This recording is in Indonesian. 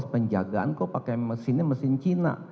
saya akan mencoba untuk mencoba